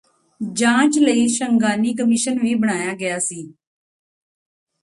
ਜਾਂਚ ਲਈ ਛੰਗਾਨੀ ਕਮਿਸ਼ਨ ਵੀ ਬਣਾਇਆ ਗਿਆ ਸੀ